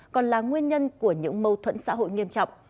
còn là nguyên nhân của những mâu thuẫn xã hội nghiêm trọng